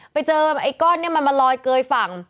ไปเจอไอ้ก้อนนี้มันมาลอยเกยฝั่ง